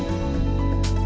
ini kan luar biasa